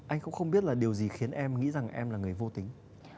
anh cũng không biết là điều gì khiến em nghĩ rằng em là người vô tính